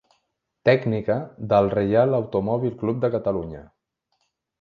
Tècnica del Reial Automòbil Club de Catalunya.